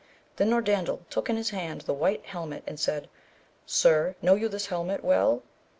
Then Norandel took in his hand the white helmet and said. Sir, know you this helmet well